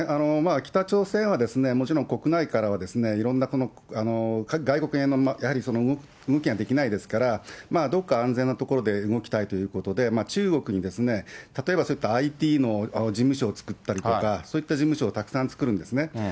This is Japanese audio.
北朝鮮はもちろん国内からはいろんな外国へのやはり動きができないですから、どっか安全な所で動きたいということで、中国に、例えば、そういったＩＴの事務所を作ったりとか、そういった事務所をたくさん作るんですね。